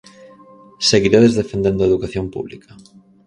Seguiredes defendendo a educación pública?